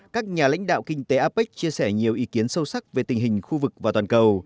các nhà lãnh đạo kinh tế apec chia sẻ nhiều ý kiến sâu sắc về tình hình khu vực và toàn cầu